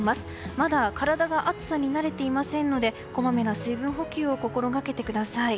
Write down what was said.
まだ体が暑さに慣れていませんのでこまめな水分補給を心がけてください。